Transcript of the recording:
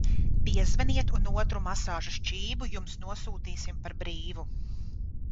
Piezvaniet, un otru masāžas čību jums nosūtīsim par brīvu!